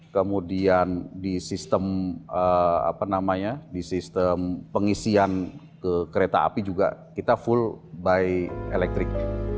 kemudian di sistem pengisian ke kereta api juga kita full by elektrik